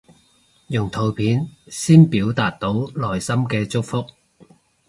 用圖片先表達到內心嘅祝福